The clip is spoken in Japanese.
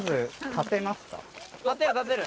立てる立てる